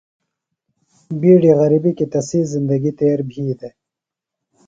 بِیڈیۡ غرِبیۡ کیۡ تسی زندگی تیر بھی دےۡ۔